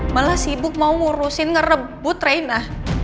malah sibuk mau ngurusin ngerebut reina